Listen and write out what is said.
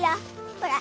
ほら。